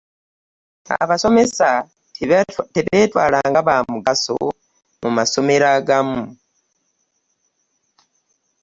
Abasomesa tebatwali nga bamugaso mu masomero agamu.